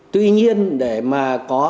tuy nhiên để mà có